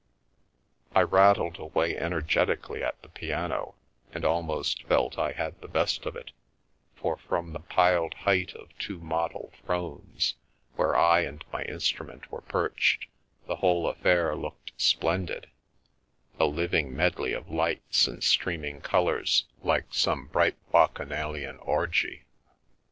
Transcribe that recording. I rattled away energetically at the piano, and almost felt I had the best of it, for from the piled height of two model thrones, where I and my instrument were perched, the whole affair looked splen did, a living medley of lights and streaming colours like some bright Bacchanalian orgy.